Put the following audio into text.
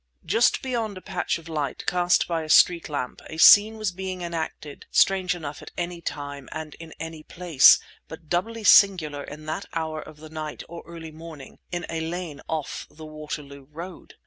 Just beyond a patch of light cast by a street lamp a scene was being enacted strange enough at any time and in any place, but doubly singular at that hour of the night, or early morning, in a lane off the Waterloo Road.